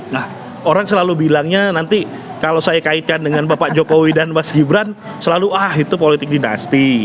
nah orang selalu bilangnya nanti kalau saya kaitkan dengan bapak jokowi dan mas gibran selalu ah itu politik dinasti